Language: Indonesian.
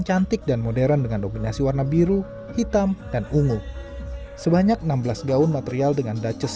cantik dan modern dengan dominasi warna biru hitam dan ungu sebanyak enam belas gaun material dengan duchess